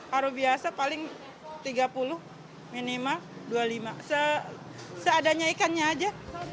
kalau biasa paling tiga puluh minimal dua puluh lima seadanya ikannya aja